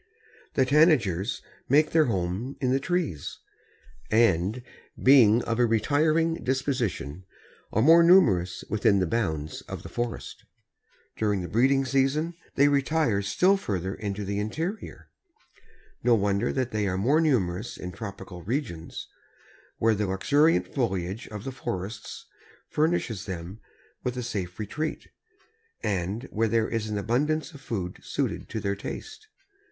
The Tanagers make their home in the trees, and, being of a retiring disposition, are more numerous within the bounds of the forest. During the breeding season they retire still further into the interior. No wonder that they are more numerous in tropical regions, where the luxuriant foliage of the forests furnishes them with a safe retreat, and where there is an abundance of food suited to their taste.